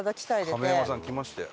亀山さん来ましたよ。